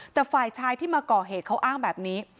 แต่ฝ่ายชายที่มาก่อเหตุเขาอ้างแบบนี้